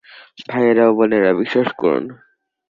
ভাইয়েরা ও বোনেরা, বিশ্বাস করুন।